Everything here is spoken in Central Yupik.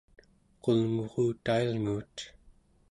qulngurutailnguut